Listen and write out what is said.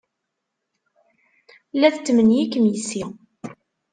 La tetmenyikem yes-i?